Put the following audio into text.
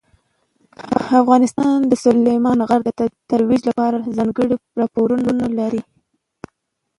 افغانستان د سلیمان غر د ترویج لپاره ځانګړي پروګرامونه لري.